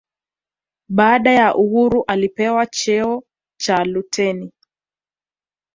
baada ya uhuru alipewa cheo cha luteni